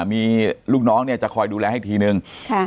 มีลูกน้องเนี่ยจะคอยดูแลให้ทีนึง